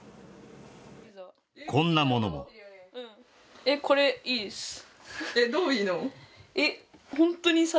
こんなものもえっどういいの？